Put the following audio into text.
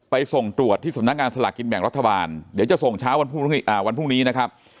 ส่งตรวจที่สำนักงานสลากกินแบ่งรัฐบาลเดี๋ยวจะส่งเช้าวันพรุ่งนี้นะครับ